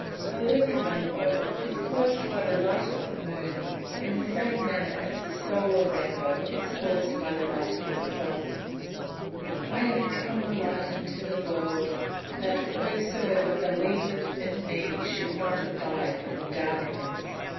_ A lunar rainbow is caused by the light of the moon, in the same manner as the solar rainbow is caused by the light of the sun. [Verse: "I am come a light into the world, that whosoever believeth in me should not abide in darkness."